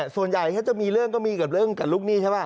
ส่วนใหญ่ถ้าจะมีเรื่องก็มีกับเรื่องกับลูกหนี้ใช่ป่